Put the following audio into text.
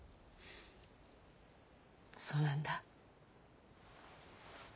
そうなんだ。